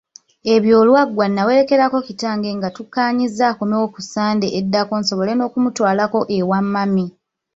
Ebyo olwaggwa nnawerekerako kitange nga tukkaanyizza akomewo ku ssande eddako nsobole n'okumutwalako ewa mami.